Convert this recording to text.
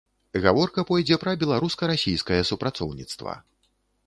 Гаворка пойдзе пра беларуска-расійскае супрацоўніцтва.